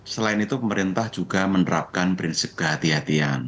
selain itu pemerintah juga menerapkan prinsip kehatian